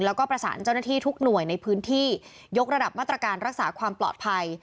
แล้วก็ประสานเจ้าหน้าที่ทุกหน่วยในพื้นที่ยกระดับมาตรการรักษาความปลอดภัย